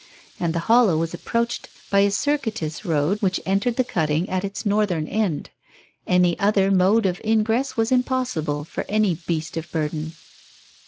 And the hollow was approached by a circuitous road which entered the cutting at its northern end. Any other mode of ingress was impossible for any beast of burden.